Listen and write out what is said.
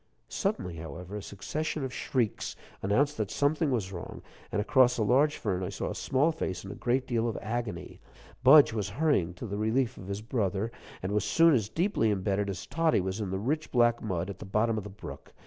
Suddenly, however, a succession of shrieks announced that something was wrong, and across a large fern I saw a small face in a great deal of agony. Budge was hurrying to the relief of his brother, and was soon as deeply imbedded as Toddie was in the rich black mud, at the bottom of the brook.